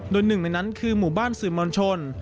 โดยหนึ่งในนั้นคือหมู่บ้านสื่อมวลชน